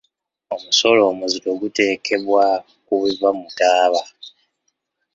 Omusolo omuzito guteekebwa ku biva mu taaba.